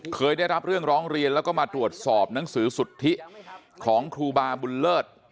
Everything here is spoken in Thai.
เคยได้รับเรื่องร้องเรียนแล้วก็มาตรวจสอบหนังสือสุทธิของครูบาบุญเลิศ